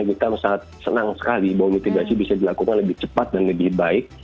kita sangat senang sekali bahwa mitigasi bisa dilakukan lebih cepat dan lebih baik